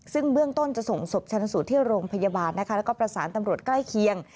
ซึ่งเบื้องต้นจะส่งศพชนสูตรที่โรงพยาบาลนะคะแล้วก็ประสานตำรวจใกล้เคียง